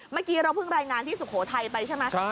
เมื่อกี้เราเพิ่งรายงานที่สุโขทัยไปใช่ไหม